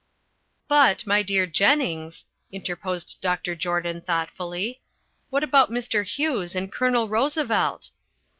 "But, my dear Jennings," interposed Dr. Jordan thoughtfully, "what about Mr. Hughes and Colonel Roosevelt?"